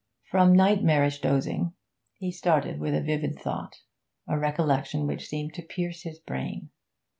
From nightmarish dozing, he started with a vivid thought, a recollection which seemed to pierce his brain.